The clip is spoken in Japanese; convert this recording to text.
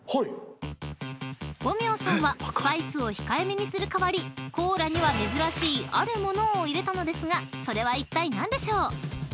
［五明さんはスパイスを控えめにする代わりコーラには珍しいある物を入れたのですがそれはいったい何でしょう？］